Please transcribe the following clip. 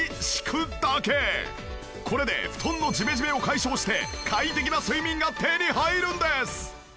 これで布団のジメジメを解消して快適な睡眠が手に入るんです！